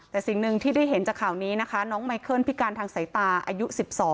แต่สิ่งหนึ่งที่ได้เห็นจากข่าวนี้นะคะน้องไมเคิลพิการทางสายตาอายุ๑๒